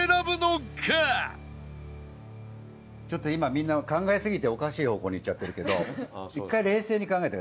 ちょっと今みんな考えすぎておかしい方向に行っちゃってるけど一回冷静に考えて。